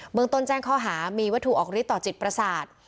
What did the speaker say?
เมืองต้นแจ้งข้อหามีวัตถุออกฤทธิต่อจิตประสาท